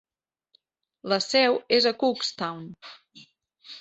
La seu és a Cookstown.